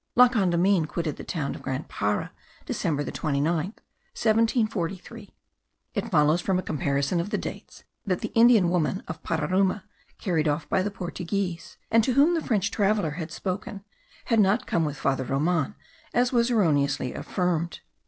La Condamine quitted the town of Grand Para December the 29th, 1743; it follows, from a comparison of the dates, that the Indian woman of Pararuma, carried off by the Portuguese, and to whom the French traveller had spoken, had not come with Father Roman, as was erroneously affirmed.